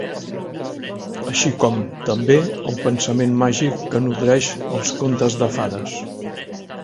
Així com, també, el pensament màgic que nodreix els contes de fades.